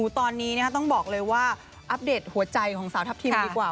ตอนนี้ต้องบอกเลยว่าอัปเดตหัวใจของสาวทัพทิมดีกว่า